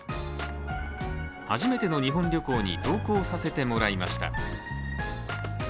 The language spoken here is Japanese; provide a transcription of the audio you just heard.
初めての日本旅行に同行させてもらいました。